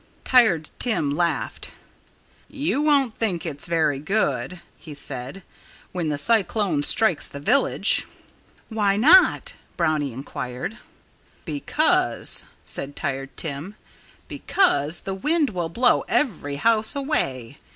Tired Tim laughed. "You won't think it's very 'good,'" he said, "when the cyclone strikes the village." "Why not?" Brownie inquired. "Because " said Tired Tim "because the wind will blow every house away.